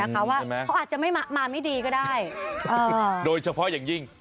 เขาอาจจะไม่มาไม่ดีก็ได้โดยเฉพาะอย่างยิ่ง